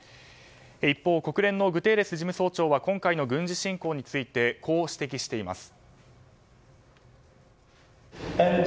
一方、国連のグテーレス事務総長は今回の軍事侵攻についてこう指摘しています。